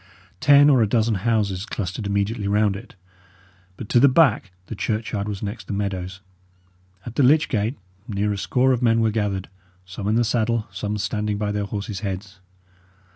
Ten or a dozen houses clustered immediately round it; but to the back the churchyard was next the meadows. At the lych gate, near a score of men were gathered, some in the saddle, some standing by their horses' heads.